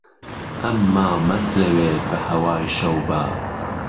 ئهمما مهسرهوێ به هەوای شەوبا